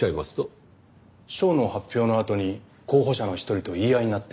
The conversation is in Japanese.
賞の発表のあとに候補者の一人と言い合いになって。